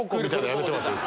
やめてもらって。